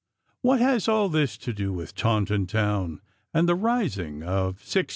What has all this to do with Taunton town and the rising of 1685?